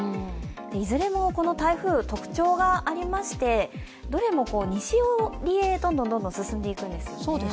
いずれもこの台風、特徴がありましてどれも西寄りへどんどん進んでいくんですね。